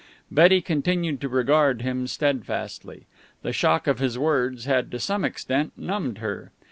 Betty continued to regard him steadfastly. The shock of his words had to some extent numbed her.